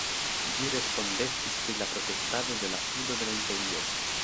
Ĝi respondecis pri la protektado de la sudo de la Imperio.